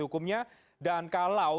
hukumnya dan kalau